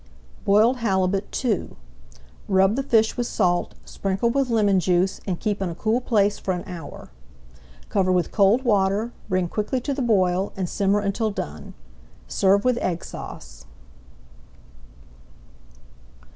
BOILED HALIBUT II Rub the fish with salt, sprinkle with lemon juice, and keep in a cool place for an hour. Cover with cold water, bring quickly to the boil, and simmer until done. Serve with Egg Sauce.